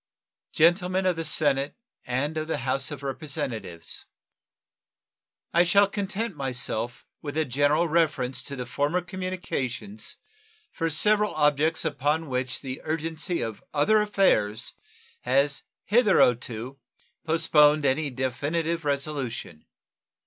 Gentlemen of the Senate and of the House of Representatives: I shall content myself with a general reference to former communications for several objects upon which the urgency of other affairs has hitherto postponed any definitive resolution.